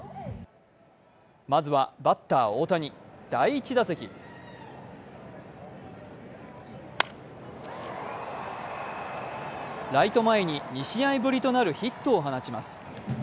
まずは、バッター・大谷第１打席ライト前に２試合ぶりとなるヒットを放ちます。